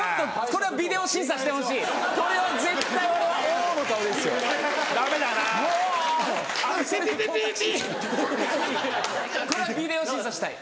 これはビデオ審査したい。